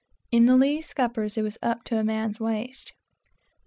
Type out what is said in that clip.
In the lee scuppers it was up to a man's waist.